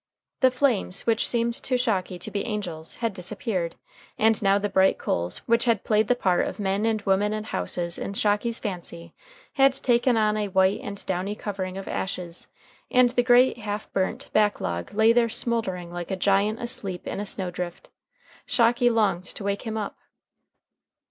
The flames, which seemed to Shocky to be angels, had disappeared, and now the bright coals, which had played the part of men and women and houses in Shocky's fancy, had taken on a white and downy covering of ashes, and the great half burnt back log lay there smouldering like a giant asleep in a snow drift. Shocky longed to wake him up.